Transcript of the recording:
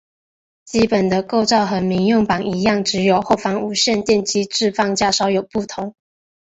基本的构造和民用版一样只有后方无线电机置放架稍有不同。